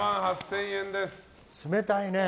冷たいね。